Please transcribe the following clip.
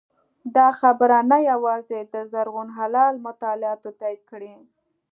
دا خبره نه یوازې د زرغون هلال مطالعاتو تایید کړې